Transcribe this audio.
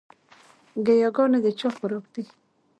ګياګانې د چا خوراک دے؟